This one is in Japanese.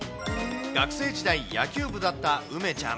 学生時代、野球部だった梅ちゃん。